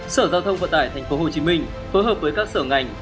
sở giao thông vận tải tp hcm phối hợp với các sở ngành